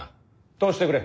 通してくれ。